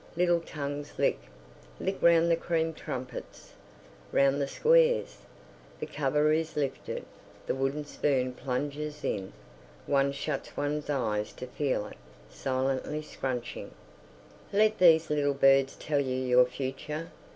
Little tongues lick, lick round the cream trumpets, round the squares. The cover is lifted, the wooden spoon plunges in; one shuts one's eyes to feel it, silently scrunching. "Let these little birds tell you your future!"